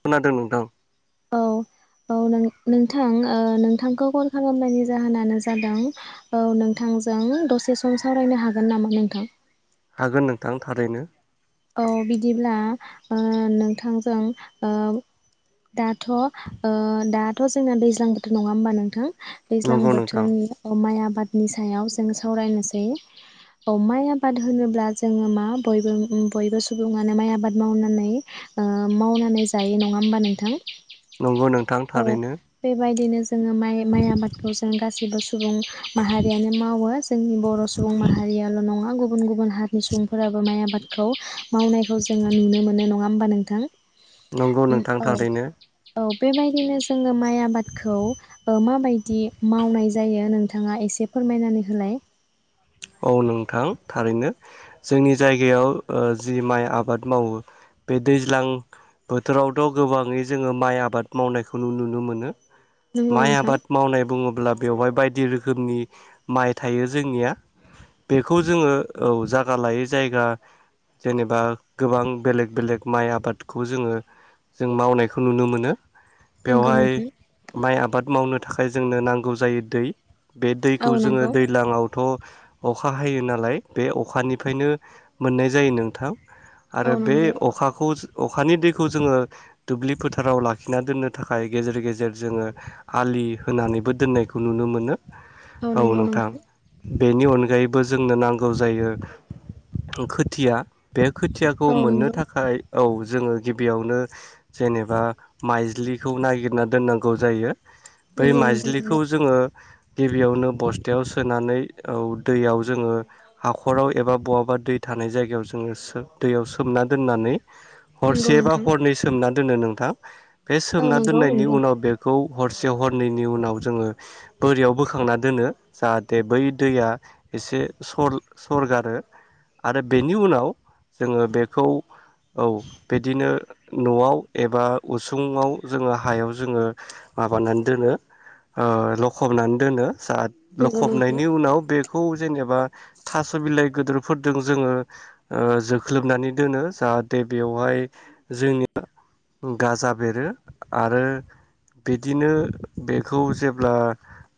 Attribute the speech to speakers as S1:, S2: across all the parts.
S1: खोनादों नोंथां
S2: औ औ नों-नोंथां ओ नोंथांखौ कल खालामनायनि जाहोनानो जादों औ नोंथांजों दसे सम सावरायनो हागोन नामा नोंथां?
S1: हागोन नोंथां थारैनो
S2: औ बिदिब्ला ओ नोंथांजों ओ दाथ' ओ दाथ' जोंना दैज्लां बोथोर नङा होमबा नोंथां दैज्लां
S1: नंगौ नोंथां
S2: बोथोरनि ओ माइ आबादनि सायाव जों सावरायनोसै। औ माइ आबाद होनोब्ला जोंङो मा बयबो बयबो सुबुंङानो माइ आबाद मावनानै ओ मावनानै जायो नंङा होमबा नोंथां?
S1: नंगौ नोंथां थारैनो
S2: जोंङो माइ माइ आबादखौ जों गासिबो स सुबुं माहारियानो मावो। जोंनि बर' सुबुं माहारियाल' नंङा गुब गुबुन गुबुन हारिनि सुबुंफोराबो माइ आबादखौ मावनायखौ जोंङो नुनो मोनो नंङा होमबा नोंथां?
S1: नंगौ
S2: उम
S1: नोंथां
S2: औ
S1: थारैनो
S2: औ बेबायदिनो जों ङो माइ आबादखौ ओ माबायदि मावनाय जायो नोंथां नोंथांङा एसे फोरमायनानै होलाय।
S1: औ नोंथां थारैनो। जोंनि जायगायाव ओ जि माइ आबाद मावो बे दैज्लां बोथोरावथ' गोबांङै जोंङो माइ आबाद मावनायखौ नुनो मोनो।
S2: नंगौ
S1: माइ
S2: नोंथां
S1: आबाद मावनाय बुंङो ब्ला बेवहाय बायदि रोखोमनि माइ थायो जोंनिया। बेखौ जोंङो औ जागा लायै जायगा जेनेबा गोबां बेलेग बेलेग माइ आबादखौ जोंङो जों मावनायखौ नुनो मोनो।
S2: नंगौ
S1: बेवहाय
S2: नोंथां
S1: माइ आबाद मावनो थाखाय जोंनो नांगौ जायो दै बे
S2: औ
S1: दैखौ जोंङो
S2: नंगौ
S1: दैज्लांङावथ' अखा हायो नालाय बे अखानिफ्रायनो मोननाय जायो नोंथां। आरो
S2: औ
S1: बे
S2: नंगौ
S1: अखाखौ अखानि दैखौ जोंङो दुब्लि फोथाराव लाखिना दोननो थाखाय गेजेर गेजेर जोंङो आलि होनानैबो दोननायखौ नुनो मोनो।
S2: औ नंगौ नोंथां
S1: बेनि अन गायैबो जोंनो नांगौ जायो खोथिया। बे खोथियाखौ
S2: औ
S1: मोननो
S2: नंगौ
S1: थाखाय औ जोंङो गिबियावनो जेनेबा माइज्लिखौ नागिरना दोननांगौ जायो। बै
S2: नंगौ नोंथां
S1: माइज्लिखौ
S2: नंगौ
S1: जोंङो गिबियावनो बस्थायाव सोनानै औ दैयाव जोंङो हाखराव एबा बहाबा दै थानाय जायगायाव जोंङो दैयाव सोमना दोननानै
S2: नंगौ
S1: हरसे बा
S2: नोंथां
S1: हरनै सोमनानै दोनो नोंथां बे
S2: औ
S1: सोमना
S2: नंगौ
S1: दोननायनि
S2: नंगौ
S1: उनाव बेखौ हरसे हरनैनि उनाव जोङो बोरियाव बोखांना दोनो जाहाथे बै दैया एसे स सरगारो आरो बेनि उनाव जोङो बेखौ औ बिदिनो न'आव एबा उसुंङाव जोङो हायाव जोङो माबानानै दोनो ओ लखबनानै दोनो साथ
S2: नंगौ नोंथां
S1: लखबनायनि उनाव बे खौ जेनेबा थास' बिलाइ गदोर फोरदों जोङो जोख्लोबनानै दोनो जाहाथे बेवहाय जोंनिया गाजा बेरो आरो बिदिनो बेखौ जेब्ला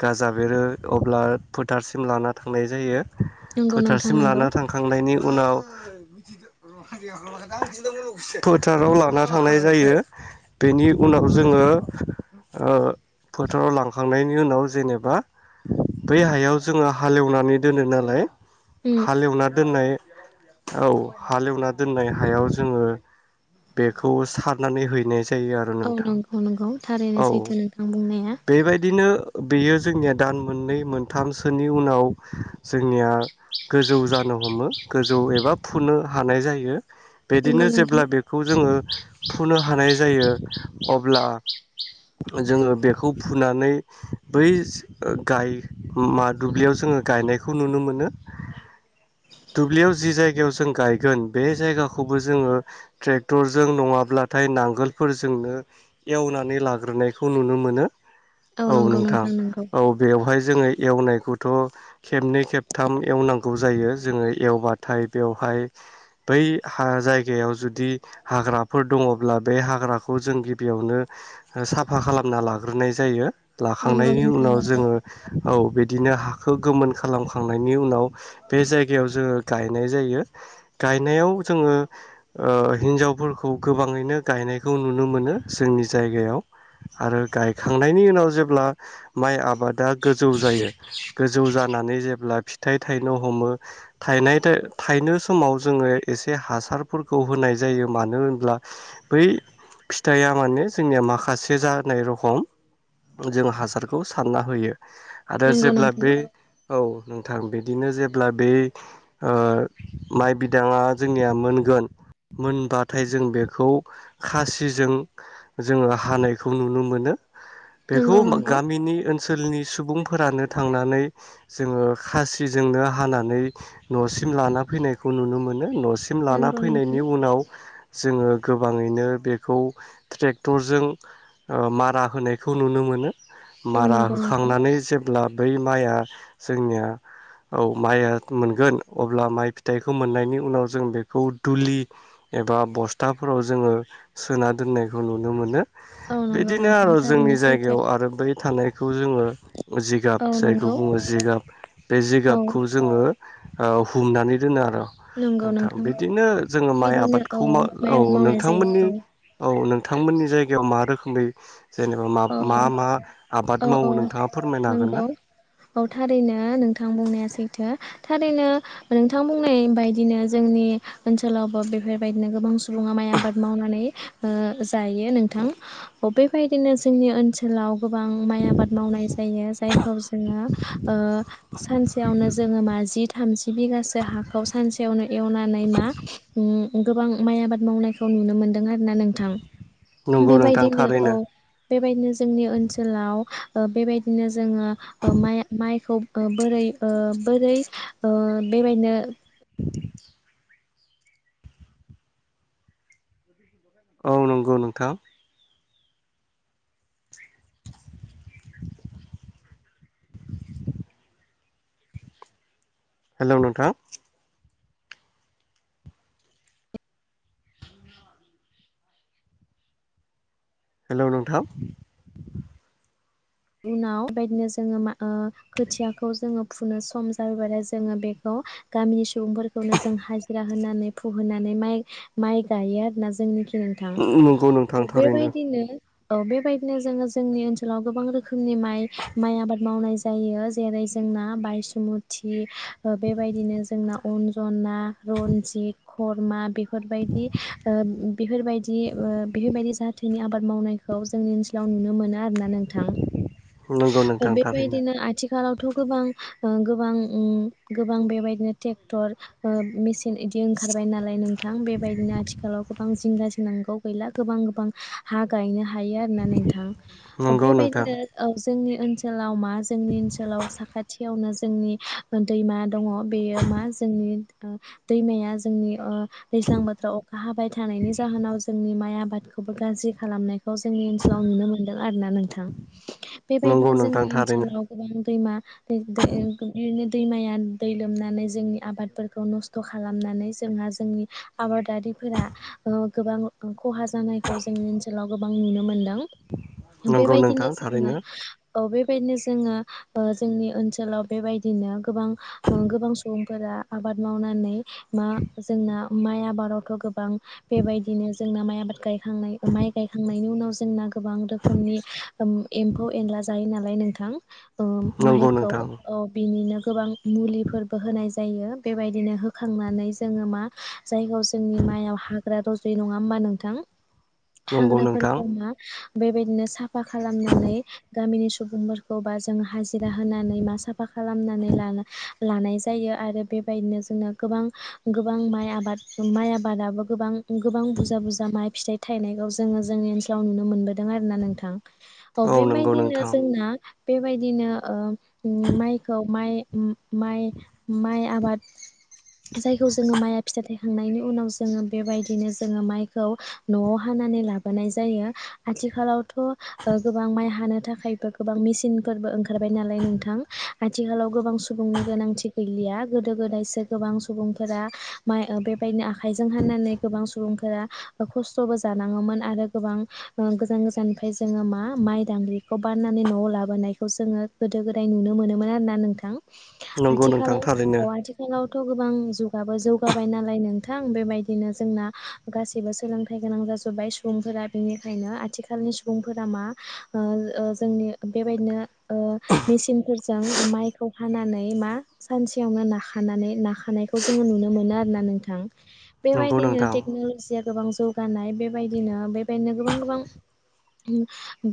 S1: गाजा बेरो अब्ला फोथारसिम लानानै थांनाय जायो
S2: नंगौ नोंथां
S1: फोथारसिम
S2: नंगौ
S1: लाना थांखांनायनि उनाव फोथाराव लान थांनाय जायो बेनि उनाव जोङो ओ फोथाराव लांखांनायनि उनाव जेनेबा बै हायाव जोङो हालेवनानै दोनो नालाय
S2: उम
S1: हालेवना दोननाय औ हालेवना दोननाय हायाव जोङो बेखौ सारनानै हैनाय जायो आरो
S2: औ
S1: नोंथां
S2: नंगौ नंगौ थारैनो
S1: औ
S2: सैथो नोंथां बुंनाया
S1: बेबायदिनो बेयो जोंनिया दान मोननै मोनथामसोनि नि उनाव जोंनिया गोजौ जानो हमो गोजौ एबा फुनो हानाय जायो
S2: नंगौ
S1: बिदिनो
S2: नोंथां
S1: जेब्ला बेखौ जोङो फुनो हानाय जायो अब्ला जोङो बेखौ फुनानै बै गाय मा दुब्लियाव जोङो गायनायखौ नुनो मोनो दुब्लियाव जि जायगायाव जों गायगोन बे जायगाखौबो जोङो ट्रेक्टरजों नङाब्लाथाय नांगोलफोरजोंनो एवनानै लाग्रोनायखौ नुनो मोनो
S2: औ नंगौ नोंथां नंगौ
S1: जोङो एवनायखौ थ' खेबनै खेबथाम एवनांगौ जायो जोङो एवबाथाय बेवहाय बै हा जायगायाव जुदि हाग्राफोर दङब्ला बे हाग्राखौ जों गिबियावनो साफा खालामना लाग्रोनाय जायो
S2: नंगौ
S1: लाखांनायनि
S2: नोंथां
S1: उनाव जोङो औ बे बिदिनो हाख खौ गोमोन खालामखांनायनि उनाव बे जायगायाव जोङो गायनाय जायो गायनायाव जोङो ओ हिन्जावफोरखौ गोबाङैनो गायनायखौ नुनो मोनो जोंनि जायगायाव आरो गायखांनायनि उनाव जेब्ला माइ आबादा गोजौ जायो गोजौ जानानै जेब्ला फिथाइ थाइनो हमो थायनाय थाइनो समाव जोङो एसे हासारफोरखौ होनाय जायो मानो होनब्ला बै फिथाइया माने जोंनिया माखासे जानाय रखम जों हासारखौ सानना होयो आरो
S2: नंगौ नंगौ
S1: जेब्ला
S2: नोंथां
S1: बे औ नोंथां बिदिनो जेब्ला बे ओ माइ बिदाङा जोंनिया मोनगोन मोनबाथाय जों बेखौ खासिजों जोङो हानायखौ नुनो मोनो बेखौ
S2: नंगौ नंगौ
S1: गामिनि ओनसोल ओनसोलनि सुबुंफोरानो थांनानै जोङो खासिजोंनो हानानै न'सिम लाना फैनायखौ नुनो मोनो न सिम लाना
S2: नंगौ
S1: फैनायनि
S2: नोंथां
S1: उनाव जोङो गोबाङैनो बेखौ ट्रेक्टरजों मारा होनायखौ नुनो मोनो
S2: औ
S1: मारा
S2: नंगौ नोंथां
S1: होखांनानै जेब्ला बै माइआ जोंनिया औ माइया मोनगोन अब्ला माइ फिथाइखौ मोननायनि उनाव जों बेखौ दुलि एबा बस्थाफोराव जोङो सोना दोननायखौ नुनो मोनो।
S2: औ नंगौ
S1: बिदिनो
S2: नोंथां
S1: आरो जोंनि
S2: थारैनो सैथो
S1: जायगायाव आरो बै थानाय खौ जोङो
S2: औ
S1: जायखौ
S2: नंगौ
S1: बुङो जिगाब बे
S2: औ
S1: जिगाबखौ जोङो ओ हुंनानै दोनो आरो नोंथां बिदिनो जोङो माइ
S2: बिदिनो
S1: आबादखौ
S2: माइ
S1: औ
S2: आबाद मावनाय जायो
S1: नोंथांमोननि
S2: औ
S1: औ नों थांमोननि जायगायाव मा रोखोमै जेनेबा मा मा
S2: औ
S1: मा
S2: औ
S1: आबाद
S2: औ
S1: मावो नोंथाङा फोरमायनो हागोन
S2: नंगौ
S1: ना?
S2: औ थारैनो नोंथां बुंनाया सैथो थारैनो नोंथां बुंनाय बायदिनो जोंनि ओनसोलावबो बेफोरबायदिनो गोबां सुबुङा माइ आबाद मावनानै ओ जायो नोंथां औ बेबायदिनो जो जोंनि ओनसोलाव गोबां माइ आबाद मावनाय जायो जायखौ जोङो ओ सानसेयावनो जोङो माजि थामजि बिगासो हाखौ सानसेयावनो एवनानै मा ओम गोबां माइ आबाद मावनायखौ नुनो मोनदों आरोना नोंथां।
S1: नंगौ नोंथां
S2: बेबायदिनो औ
S1: थारैनो
S2: जोंनि ओनसोलाव ओ बेबायदिनो जोङो ओ माइ माइखौ ओ बोरै ओ बोरै ओ बेबायनो
S1: औ नंगौ नोंथां हेलौ नोंथां हेलौ नोंथां
S2: उनाव बेबायदिनो जोङो मा ओ खोथियाखौ जोङो फुनो सम जायोबथाय जोङो बेखौ गामिनि सुबुंफोरखौनो जों हाजिरा होनानै फुहोनानै माइ माइ गायो आरोना जोंनि खै नोंथां।
S1: नंगौ नोंथां
S2: ओ
S1: थारैनो
S2: बेबायदिनो ओ बेबायदिनो जोङो जोंनि ओनसोलाव गोबां रो खोमनि माइ माइ आबाद मावनाय जायो जेरै- जोंना बायसुमुथि ओ बेबायदिनो जोंना अनजना रनजित खरमा बे फोरबायदि ओ बेफोरबायदि ओ बेफोरबायदि जा थोनि आबाद मावनायखौ जोंनि ओनसोलाव नुनो मोनो आरोना नोंथां।
S1: नोंगौ नोंथां थारैनो।
S2: थ' गोबां ओ गोबां उम गोबां बेबायदिनो टेक्टर ओ मिसि यिं इदि ओंखारबाय नालाय नोंथां बेबायदिनो आथिखालाव गोबां जिंगासि नांगौ गैला गोबां गोबां हा गायनो हा हायो आरोना नोंथां
S1: नंगौ नोंथां
S2: बेबायदिनो औ जोंनि ओनसो लाव मा जोंनि ओनसोलाव साखाथियावनो जोंनि दैमा दङ बेयो मा जोंनि ओ दैमाया जोंनि ओ दैज्लां बोथोराव अखा हाबाय थानायनि जाहोनाव जोंनि माइ आबादखौबो गाज्रि खालामनाय जोंनि ओनसोलाव नुनो मोनदों आरो ना नोंथां
S1: नंगौ
S2: बेबायदिनो जोंनि
S1: नोंथां थारैनो
S2: ओनसोलाव गोबां सैमा बे दै ओ गो बि नो दैमाया दै लोमनानै जोंनि आबादफोरखौ नस्थ' खालामनानै जोंहा जोंनि आबादारिफोरा गोबां खहा जानायखौ जोंनि ओनसोलाव गोबां नुनो मोनदों।
S1: नंगौ
S2: बेबायदिनो
S1: नोंथां
S2: जोङो
S1: थारैनो
S2: औ बे बेबायदिनो जोङो जोंनि ओनसोलाव बेबायदिनो गोबां गोबां सुबुं फोरा आबाद मावनानै मा जोंना माइ आबादावथ' गोबां बेबायदिनो जोंना माइ आबाद गाय खांनाय ओ माइ गायखांनायनि उनाव जोंना गोबां रोखोमनि ओम एम्फौ एनला जायो नालाय नोंथां
S1: नंगौ
S2: माइखौ
S1: नोंथां
S2: बिनिनो गोबां मुलिफोरबो होनाय जायो बेबायदिनो होखांनानै जोङो मा जायगायाव जोंनि माइआव हाग्रा रज' जायो नङा होमबा नोंथां
S1: नंगौ नोंथां
S2: हाग्राफोरखौ मा बेबायदिनो साफा खालाम नानै गामिनि सुबुंफोरखौ बाज जों हाजिरा होनानै मा साफा खालामनानै लानो लानाय जायो आरो बेबायदिनो जोंनो गोबां गोबां माइ आबाद माइ आबादाबो गोबां गोबां बुरजा बुरजा माइ फिथाइ थायनायखौ जोङो जोंनि ओनसोलाव नुनो मोनबोदों आरोना नोंथां औ
S1: नंगौ
S2: बेबायदिनो
S1: नोंथां
S2: जोंना बेबायदिनो माइखौ माइ माइ माइ आबाद जायखौ जोङो माइआ फिथ थायखांनायनि उनाव जोङो बेबायदिनो जोङो माइखौ न'आव हानानै लाबोनाय जायो आथिखालावथ' गोबां माइ हानो थाखायबो गोबां मेसिनफोरबो ओंखार ओंखारबाय नालाय नोंथां आथिखाालाव गोबां सुबुंनि गोनांथि गै या गोदो गोदायसो गोबां सुबुंफोरा माय बेबायदिनो आख खायजों हाननानै गोबां सुबुंफोरा खस्थ'बो जानाङोमोन आरो गोबां ओ गोजान गोजाननिफ्राय जोङो मा माइ दांग्रिखौ बाननानै न'आव लाबोनायखौ जोङो गोदो गोदाय नुनो मोनोमोन आरोना नोंथां।
S1: नंगौ नोंथां
S2: आथिखालाव
S1: थारैनो
S2: औ आथिखालावथ' त' गोबां जुगाबो जौगाबाय नालाय नोंथां बेबायदिनो जोंना गासैबो सोलोंथाइ गोनां जाजोब्बाय सुबुंफोरा बेनिखायनो आथिखालनि सु सुबुंफोरा मा ओ ओ जोंनि बेबायदिनो ओ मेसिनफोरजों माइखौ हानानै मा सानसेयावनो नाखानानै नाखानायखौ जोङो नुनो मोनो आरोना नोंथां।
S1: नंगौ
S2: बेबायदिनो
S1: नोंथां
S2: टेक्न'लजिया गोबां जौगानाय बेबायदिनो बेबायदिनो गोबां गोबां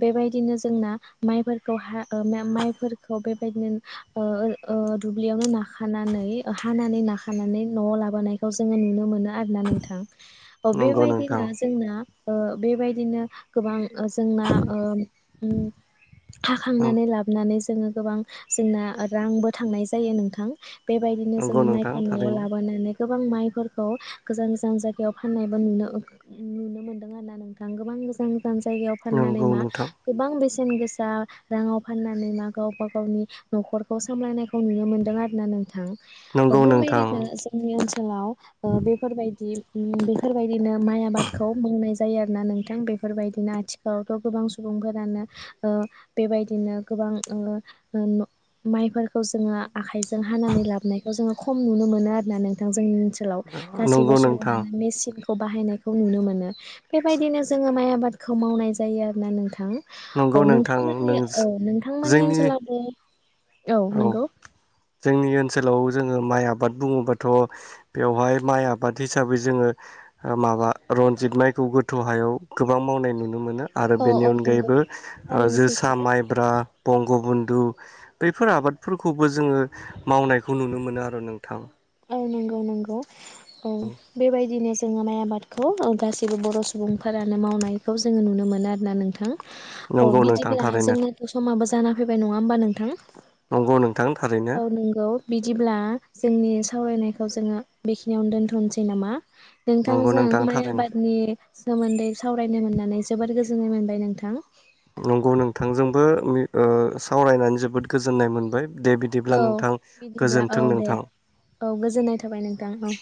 S2: बेबायदिनो जोंना माइफोरखौ हा ओ माइफोरखौ बेबायदिनो ओ ओ दुब्लियावनो नाखानानै हानानै नाखानानै न'आव लाबोनायखौ जोङो नुनो मोनो आरोना नोंथां। औ
S1: नंगौ नोंथां
S2: बेबायदिनो जोंना ओ बेबायदिनो गोबां जोंना ओ उम हाखांनानै लाबोनानै जोङो गोबां जोंना रांबो थांनाय जायो नोंथां बेबायदिनो
S1: नंगौ
S2: जोङो
S1: नोंथां
S2: माइखौ न'आव
S1: थारैनो
S2: लाबोनानै गोबां माइफोरखौ गोजान गोजान जायगायाव फाननायबो नुनो ओ नुनो मोनदों आरोना नोंथां गोबां गोजान गोजान जायगायाव फाननानै
S1: नंगौ
S2: मा
S1: नोंथां
S2: गोबां बेसे बेसेन गोसा राङाव फाननानै मा गावबा गावनि न'खरखौ सामलायनायखौ नुनो मोनदों आरोना नोंथां। अ
S1: नंगौ नोंथां
S2: बेबादिनो जोंनि ओनसो ओलाव ओ बेफोरबायदि उम बेफोरबायदिनो माइ आबादखौ मावनाय जायो आरो ना नोंथां बे बेफोरबायदिनो आथिखालावथ' गोबां सुबुंफोरानो ओ बेबायदिनो गोबां ओ न' माइफोरखौ जोङो आखाइजों हानानै लाबोनायखौ जोङो खम नुनो मोनो आरोना नोंथां जोंनि ओनसोलाव। गासैबो
S1: नंगौ नोंथां
S2: सुबुङानो मेसिन खौ बाहायनायखौ नुनो मोनो बेबायदिनो जोङो माइ आ आबादखौ मावनाय जायो आरोना नोंथां।
S1: नंगौ
S2: औ
S1: नोंथां
S2: नोंथांमोननि
S1: नों
S2: औ नोंथांमोननि
S1: जोंनि
S2: ओनसोलावबो। औ नोंगौ
S1: जोंनि ओनसोलाव जोङो माइ आबाद बुङोबाथ' बेवहाय माइ आबाद हिसाबै जोङो माबा रन्जित माइखौ गोथौ हायाव गोबां मावनाय नुनो मोनो। आरो
S2: औ
S1: बेनि
S2: औ नंगौ
S1: अनगायैबो ओ
S2: थारैनो
S1: जोसा
S2: सैथो
S1: माइब्रा बंग बन्धु बेफोर आबादफोरखौबो जोङो मावनायखौ नुनो मोनो आरो नोंथां।
S2: औ नोंगौ नोंगौ औ बेबायदिनो जोङो माइ आबादखौ ओ गासैबो बर' सुबुंफोरानो मावनायखौ जोङो नुनो मोनो आरोना नोंथां। अ
S1: नंगौ नोंथां
S2: बिदिब्ला
S1: थारैनो
S2: जोंनाथ' समाबो जा जाना फैबाय नङा ओमबा नोंथां।
S1: नंगौ नों
S2: औ नंगौ बिदिब्ला। जोंनि सावरायनायखौ जोंङो। बेखिनियावनो दोनथनोसै नामा
S1: नंगौ
S2: नोंथांजों
S1: नोंथां
S2: माइ
S1: थारैनो
S2: आबादनि। सोमोन्दै सावरायनो मोननानै जोबोर गोजोननाय मोनबाय नोंथां।
S1: नंगौ नोंथांजोंबो ओ सावरायनानै जोबोद गोजोननाय मोनबाय। दे बिदिब्ला
S2: औ
S1: नोंथां
S2: बिदिब्ला औ
S1: गोजोन्थों
S2: दे
S1: नोंथां
S2: औ गोजोननाय थाबाय नोंथां औ।